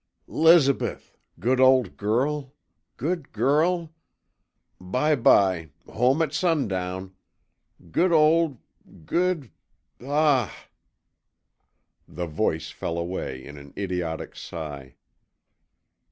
''Lizabeth! Good old girl. Good girl. Bye bye, home at sundown. Good old, good ah h h h!' The voice fell away in an idiotic sigh.